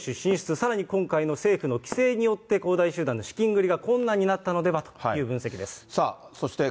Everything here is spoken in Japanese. さらに今回の政府の規制によって、恒大集団の資金繰りが困難になったのではという分析です。